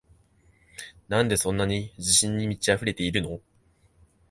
なんでそんなに自信に満ちあふれてるの？